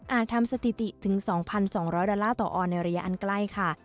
อ่านทำสติติถึง๒๒๐๐ต่อออนในระยะอันใกล้ค่ะ